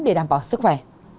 để đảm bảo sức khỏe